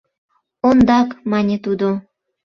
— Ондак! — мане тудо.